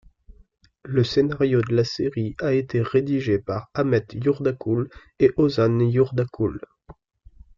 Le scénario de la série a été rédigé par Ahmet Yurdakul et Ozan Yurdakul.